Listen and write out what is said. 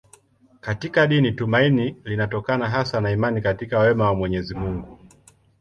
Katika dini tumaini linatokana hasa na imani katika wema wa Mwenyezi Mungu.